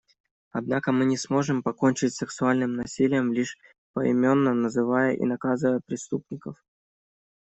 Однако мы не сможем покончить с сексуальным насилием, лишь поименно называя и наказывая преступников.